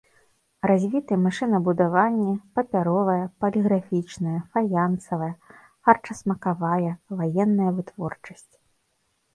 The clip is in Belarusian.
Развіты машынабудаванне, папяровая, паліграфічная, фаянсавая, харчасмакавая, ваенная вытворчасць.